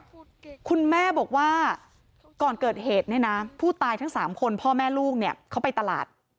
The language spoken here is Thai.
คุณแม่บอกว่าก่อนเกิดเหตุเนี่ยนะผู้ตายทั้งสามคนพ่อแม่ลูกเนี่ยเขาไปตลาด